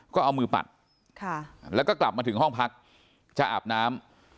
ก็เอามือปัดแล้วก็กลับมาถึงห้องพักจะอาบน้ำ